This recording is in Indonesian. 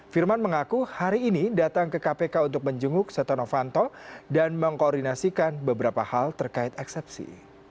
firman mengaku hari ini datang ke kpk untuk menjenguk setonofanto dan mengkoordinasikan beberapa hal terkait eksepsi